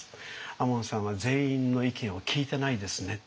亞門さんは全員の意見を聞いてないですね」。